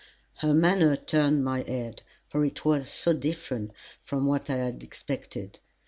Her manner turned my head, for it was so different from what I had expected.